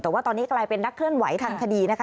แต่ว่าตอนนี้กลายเป็นนักเคลื่อนไหวทางคดีนะคะ